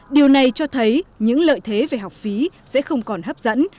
điều này cho thấy những lợi thế về học phí sẽ không còn hấp dẫn